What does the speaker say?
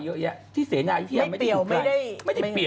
ก็อาจจะแบบ